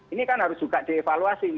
ini kan harus juga dievaluasi